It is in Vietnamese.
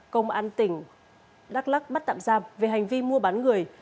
công an tỉnh đắk lắc bắt tạm giam về hành vi mua bán người